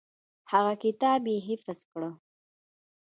هغه کتاب یې حفظ کړ.